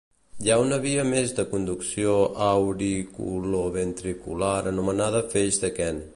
Hi ha una via més de conducció auriculoventricular anomenada feix de Kent.